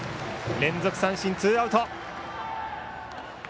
連続三振でツーアウト。